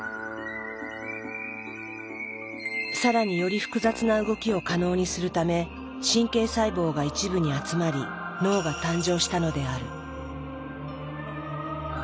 更により複雑な動きを可能にするため神経細胞が一部に集まり脳が誕生したのである。